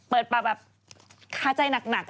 เปิดปากแบบคาใจหนัก